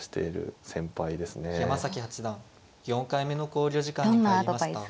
山崎八段４回目の考慮時間に入りました。